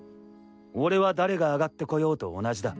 俺は誰が上がってこようと同じだ。